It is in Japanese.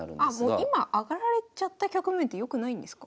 あもう今上がられちゃった局面ってよくないんですか？